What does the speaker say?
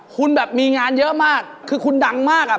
คุณแบบมีงานเยอะมากคือคุณดังมากอ่ะ